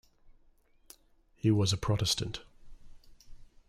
He was a Protestant.